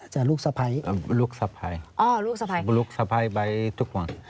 จากลูกสะพ้ายลูกสะพ้ายลูกสะพ้ายไปทุกวัน